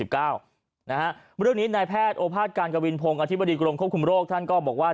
เรื่องนี้นายแพทย์โอภาษการกวินพงศ์อธิบดีกรมควบคุมโรคท่านก็บอกว่า